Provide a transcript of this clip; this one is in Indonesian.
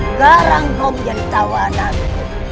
sekarang kau bisa mencoba anakku